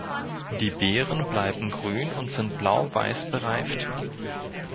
Die Beeren bleiben grün und sind blauweiß bereift.